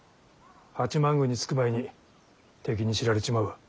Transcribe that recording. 八幡宮に着く前に敵に知られちまうわ。